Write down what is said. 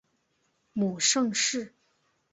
母盛氏。